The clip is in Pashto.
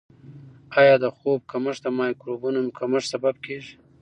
آیا د خوب کمښت د مایکروبونو کمښت سبب کیږي؟